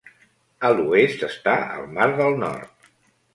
A l'oest està el Mar del Nord.